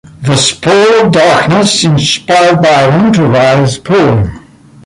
This pall of darkness inspired Byron to write his poem.